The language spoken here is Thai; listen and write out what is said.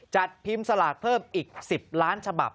จัดพิมพ์สลากเพิ่มอีก๑๐ล้านฉบับ